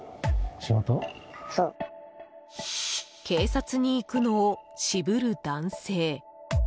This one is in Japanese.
警察に行くのを渋る男性。